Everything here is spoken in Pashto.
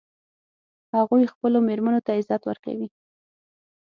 هغوی خپلو میرمنو ته عزت ورکوي